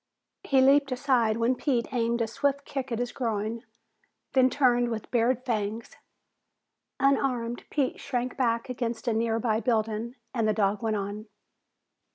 He leaped aside when Pete aimed a swift kick at his groin, then turned with bared fangs. Unarmed, Pete shrank back against a near by building and the dog went on.